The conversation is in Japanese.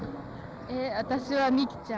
え私はミキちゃん。